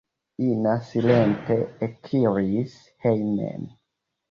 Ina silente ekiris hejmen.